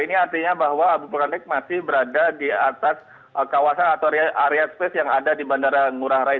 ini artinya bahwa abu vulkanik masih berada di atas kawasan atau area space yang ada di bandara ngurah rai